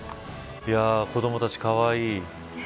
子どもたち、かわいい。